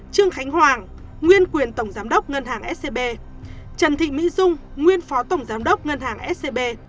năm trương khánh hoàng nguyên quyền tổng giám đốc ngân hàng scb trần thị mỹ dung nguyên phó tổng giám đốc ngân hàng scb